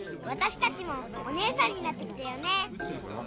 わたしたちもおねえさんになってきたよね。